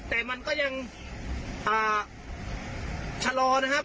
แต่มันก็ยังอ่า